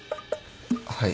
はい。